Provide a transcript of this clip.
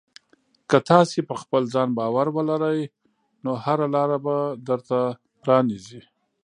که تاسې په خپل ځان باور ولرئ، نو هره لاره به درته پرانیزي.